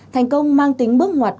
thành công mang tính bước ngoặt